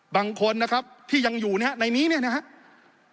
บางคนนะครับที่ยังอยู่ในนี้เนี่ยนะครับ